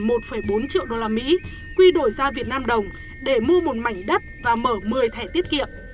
bà thủy đã mượn nhàn một bốn triệu usd quy đổi ra vnđ để mua một mảnh đất và mở một mươi thẻ tiết kiệm